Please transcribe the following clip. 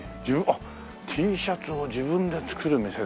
あっ「Ｔシャツを自分で作る店」！